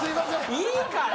いいから！